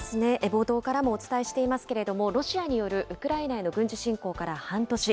冒頭からもお伝えしていますけれども、ロシアによるウクライナへの軍事侵攻から半年。